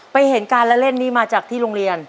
เห็นการละเล่นนี้มาจากที่โรงเรียน